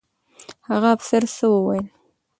هغه افسر څه وویل؟